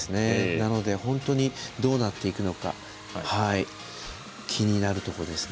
なので本当にどうなっていくのか気になるところですね。